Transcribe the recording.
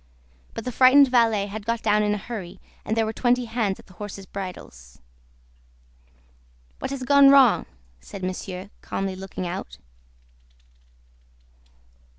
But the frightened valet had got down in a hurry, and there were twenty hands at the horses' bridles. "What has gone wrong?" said Monsieur, calmly looking out.